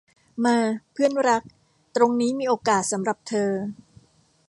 มา เพื่อนรัก ตรงนี้มีโอกาสสำหรับเธอ